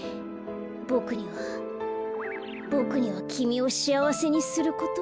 ボクにはボクにはきみをしあわせにすることは。